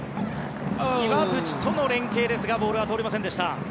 岩渕との連係ですがボールは通りませんでした。